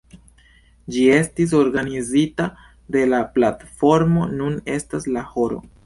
Ĝi estis organizita de la platformo Nun estas la horo.